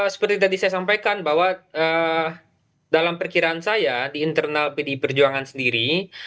seperti tadi saya sampaikan bahwa dalam perkiraan saya di internal pdi perjuangan sendiri